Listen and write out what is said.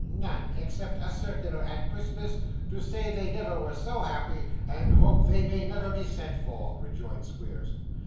'None, except a circular at Christmas, to say they never were so happy, and hope they may never be sent for,' rejoined Squeers.